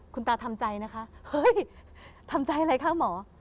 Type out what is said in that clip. คุณตาทำใจนะคะเฮ้ยทำใจอะไรคะหมอ